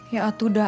ya atuh dah